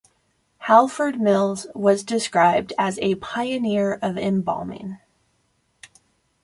Halford Mills was described as a "pioneer of embalming".